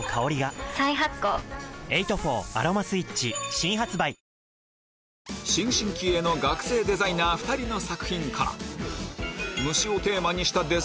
新発売新進気鋭の学生デザイナー２人の作品